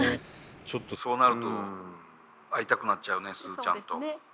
ちょっとそうなると会いたくなっちゃうねスズちゃんと。